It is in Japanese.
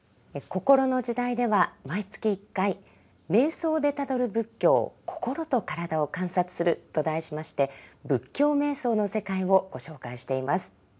「こころの時代」では毎月１回「瞑想でたどる仏教心と身体を観察する」と題しまして仏教瞑想の世界をご紹介しています。